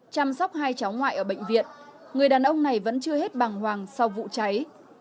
chăm sóc hai cháu ngoại ở bệnh viện người đàn ông này vẫn chưa hết bằng hoàng sau vụ cháy